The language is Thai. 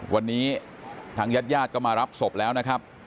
วันนี้ทางญาติญาติก็มารับศพแล้วนะครับ